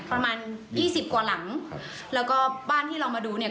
ประมาณยี่สิบกว่าหลังครับแล้วก็บ้านที่เรามาดูเนี่ย